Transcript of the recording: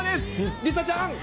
梨紗ちゃん。